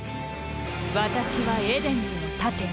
私はエデンズの盾。